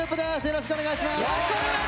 よろしくお願いします。